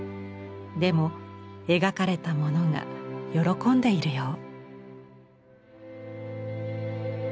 でも描かれたものが喜んでいるよう。